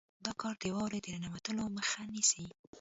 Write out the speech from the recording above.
دا کار د واورې د ننوتلو مخه نیسي